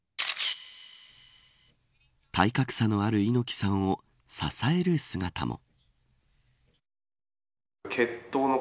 体格差のある猪木さんを支える姿も。